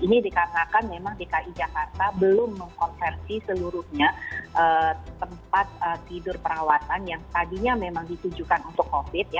ini dikarenakan memang dki jakarta belum mengkonversi seluruhnya tempat tidur perawatan yang tadinya memang ditujukan untuk covid ya